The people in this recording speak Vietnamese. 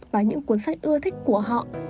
và những cuốn sách ưa thích của họ